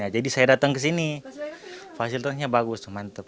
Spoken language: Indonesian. jadi saya datang ke sini fasilitasnya bagus mantep